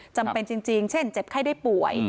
จำเป็นจริงเช่นเจ็บไข้ได้ป่วย